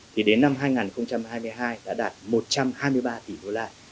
thì đến năm hai nghìn hai mươi hai đã đạt một trăm hai mươi ba tỷ đô la